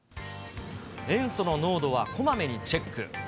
塩素の濃度はこまめにチェック。